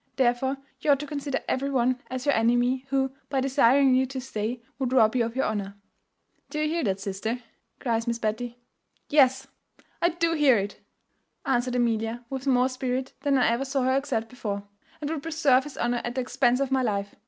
Therefore, you ought to consider every one as your enemy who, by desiring you to stay, would rob you of your honour.' "'Do you hear that, sister?' cries Miss Betty. 'Yes, I do hear it' answered Amelia, with more spirit than I ever saw her exert before, and would preserve his honour at the expense of my life.